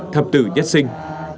thập tử nhất sinh